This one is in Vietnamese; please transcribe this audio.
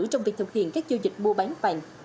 trong việc thực hiện các giao dịch mua bán vàng